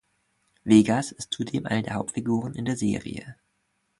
Vegas ist zudem eine der Hauptfiguren in der Serie.